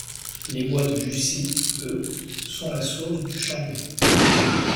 Les bois de Jussy, eux, sont la source du Chambet.